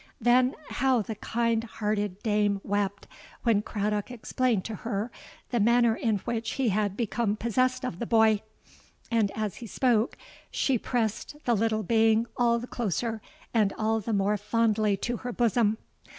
Then how the kind hearted dame wept when Craddock explained to her the manner in which he had become possessed of the boy; and as he spoke she pressed the little being all the closer and all the more fondly to her bosom.